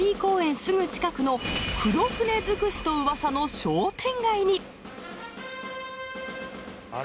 すぐ近くの黒船づくしとうわさの商店街にあれ。